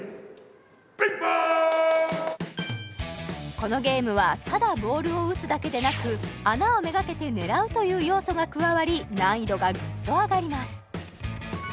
このゲームはただボールを打つだけでなく穴を目がけて狙うという要素が加わり難易度がグッと上がります